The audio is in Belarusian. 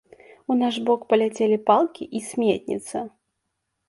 У наш бок паляцелі палкі і сметніца.